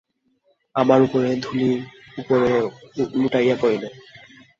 আমার উপরে ধূলির উপরে লুটাইয়া পড়িল।